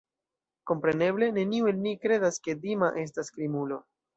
Kompreneble, neniu el ni kredas, ke Dima estas krimulo.